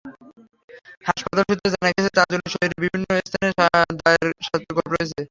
হাসপাতাল সূত্রে জানা গেছে, তাজুলের শরীরের বিভিন্ন স্থানে দায়ের সাতটি কোপ রয়েছে।